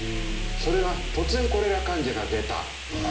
それが突然コレラ患者が出た。